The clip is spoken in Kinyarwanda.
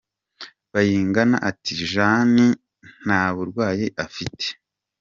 Bayingana ati :“Jeanne nta burwayi afite.